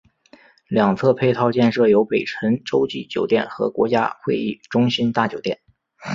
西侧配套建设有北辰洲际酒店和国家会议中心大酒店。